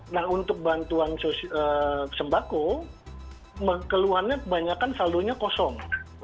nah untuk bantuan sembako keluhannya kebanyakan saldonya kosong